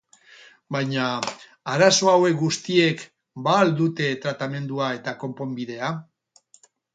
Baina arazo hauek guztiek ba al dute tratamendua eta konponbidea?